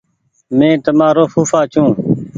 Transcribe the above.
مينٚ تمآرو ڦوڦآ ڇوٚنٚ